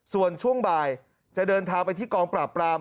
ส่วนช่วงบ่ายจะเดินทางไปที่กองปราบปราม